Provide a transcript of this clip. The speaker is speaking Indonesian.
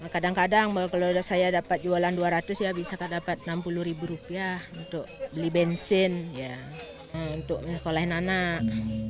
kadang kadang kalau saya dapat jualan rp dua ratus bisa dapat rp enam puluh untuk beli bensin untuk menikolahkan anak